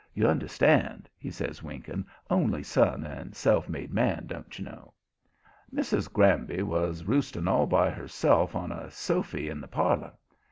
You understand," he says, winking; "only son and self made man, don't you know." Mrs. Granby was roosting all by herself on a sofy in the parlor.